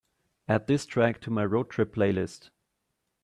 add this track to my road trip playlist